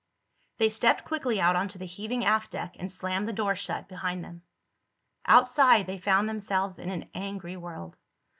They stepped quickly out onto the heaving aft deck and slammed the door shut behind them. Outside, they found themselves in an angry world.